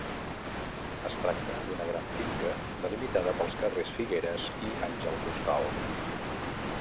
Es tracta d'una gran finca delimitada pels carrers Figueres i Àngel Costal.